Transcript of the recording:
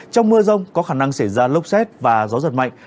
trong mưa rông có khả năng xảy ra lốc xét và gió giật mạnh